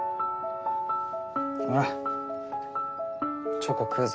チョコ食うぞ。